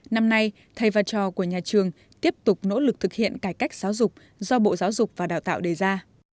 năm nay thầy và trò của nhà trường tiếp tục nỗ lực thực hiện cải cách giáo dục do bộ giáo dục và đào tạo đề ra